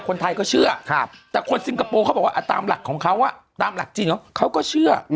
คนไทยก็เชื่อแต่คนซิงคโปร์เขาบอกว่าตามหลักของเขาตามหลักจีนเขาก็เชื่อ